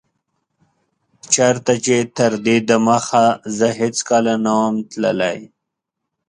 چيرته چي تر دي دمخه زه هيڅکله نه وم تللی